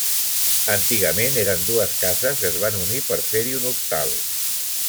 Antigament eren dues cases que es van unir per fer-hi un hostal.